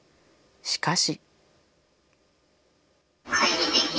しかし。